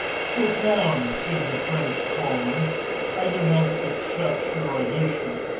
"Sit down," said the Prince calmly. "I do not accept your addition.